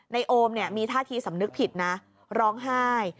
ในโอมมีท่าทีสำนึกผิดนะร้องไห้